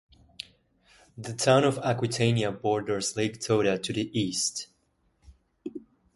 The town of Aquitania borders Lake Tota to the east.